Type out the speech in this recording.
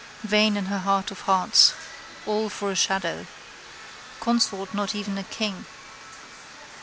Vain in her heart of hearts. All for a shadow. Consort not even a king.